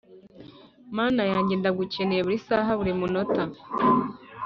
Mana yanjye ndagukeneye buri saha buri munota